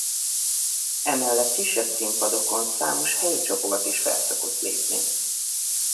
Emellett kisebb színpadokon számos helyi csoport is fel szokott lépni.